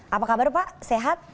apa kabar pak sehat